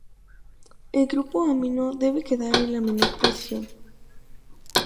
El grupo amino debe quedar en la menor posición.